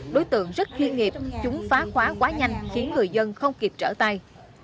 đối tượng rất chuyên nghiệp chúng phá khóa quá nhanh khiến người dân không kịp trở tay